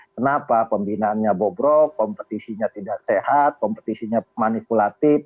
kenapa pembinaannya bobrok kompetisinya tidak sehat kompetisinya manipulatif